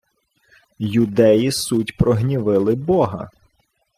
— Юдеї суть прогнівили бога.